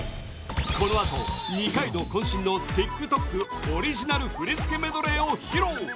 このあと二階堂渾身のＴｉｋＴｏｋオリジナル振り付けメドレーを披露！